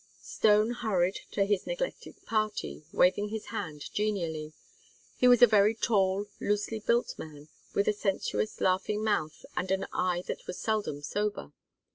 Stone hurried to his neglected party, waving his hand genially. He was a very tall loosely built man, with a sensuous laughing mouth and an eye that was seldom sober.